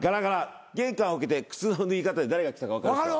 玄関を開けて靴の脱ぎ方で誰が来たか分かる人。